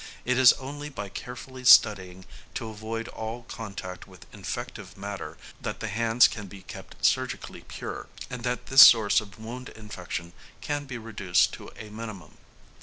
It is only by carefully studying to avoid all contact with infective matter that the hands can be kept surgically pure, and that this source of wound infection can be reduced to a minimum.